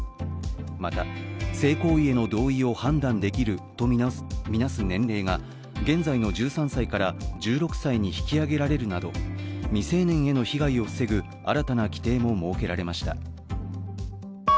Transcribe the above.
また、性行為への同意を判断できるとみなす年齢が現在の１３歳から１６歳に引き上げられるなど、未成年への被害を防ぐ新たな規程も設けられました。